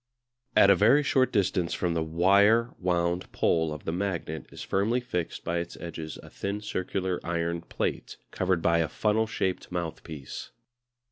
At a very short distance from the wire wound pole of the magnet is firmly fixed by its edges a thin circular iron plate, covered by a funnel shaped mouthpiece.